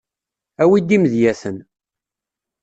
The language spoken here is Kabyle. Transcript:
Awi-d imedyaten.